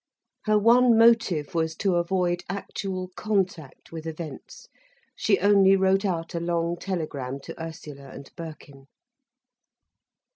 Her one motive was to avoid actual contact with events. She only wrote out a long telegram to Ursula and Birkin.